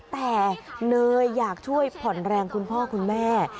แต่เนยอยากช่วยผ่อนแรงคุณพ่อคุณแม่